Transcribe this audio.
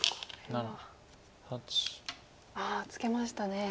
ああツケましたね。